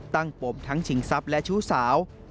ตั้งปมทั้งฉิงซับและชู้สาว